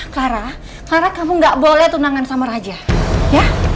clara clara kamu nggak boleh tunangan sama raja ya